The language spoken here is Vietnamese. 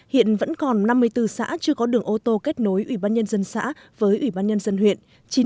hiện vẫn còn năm mươi bốn xã chưa có đường ô tô kết nối ủy ban nhân dân xã với ủy ban nhân dân huyện